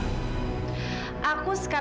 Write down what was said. aku sekarang membeli belahmu